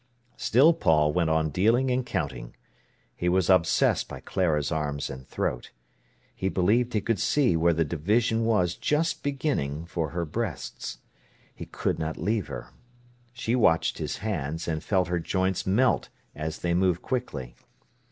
Still Paul went on dealing and counting. He was obsessed by Clara's arms and throat. He believed he could see where the division was just beginning for her breasts. He could not leave her. She watched his hands, and felt her joints melt as they moved quickly.